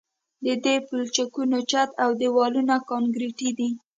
د دې پلچکونو چت او دیوالونه کانکریټي دي